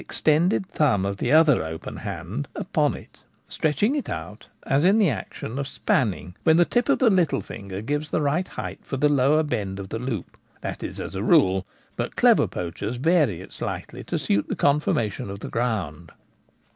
151 extended thumb of the other open hand upon it, stretching it out as in the action of spanning, when the tip of the little finger gives the right height for the lower bend of the loop — that is, as a rule ; but clever poachers vary it slightly to suit the conformation of the ground.